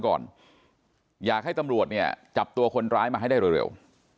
ก่อนอยากให้ตำรวจเนี่ยจับตัวคนร้ายมาให้ได้เร็ว